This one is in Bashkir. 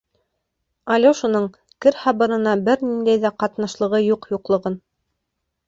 Алёшаның кер һабынына бер ниндәй ҙә ҡатнашлығы юҡ-юҡлығын.